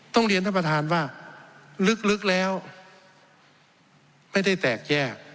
ต้องเรียนท่านประธานว่าลึกแล้วไม่ได้แตกแยก